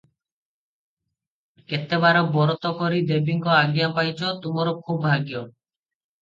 କେତେ ବାର ବରତ କରି ଦେବୀଙ୍କ ଆଜ୍ଞା ପାଇଚ, ତୁମର ଖୁବ୍ ଭାଗ୍ୟ ।